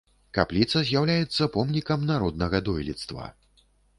Капліца з'яўляецца помнікам народнага дойлідства.